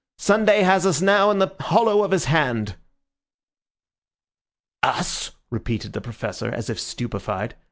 Sunday has us now in the hollow of his hand." "Us!" repeated the Professor, as if stupefied.